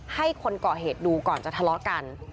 ให้คนเกาะเหตุดูก่อนจะทะเลาะกัน